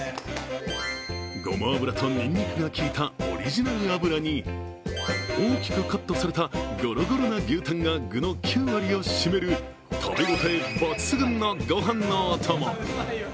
ごま油とにんにくがきいたオリジナル油に、大きくカットされたゴロゴロな牛タンが具の９割を占める食べ応え抜群のご飯のお供。